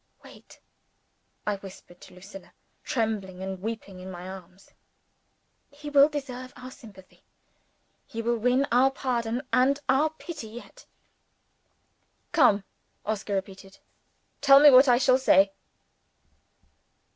"Wait!" I whispered to Lucilla, trembling and weeping in my arms. "He will deserve our sympathy; he will win our pardon and our pity yet!" "Come!" Oscar repeated. "Tell me what I shall say."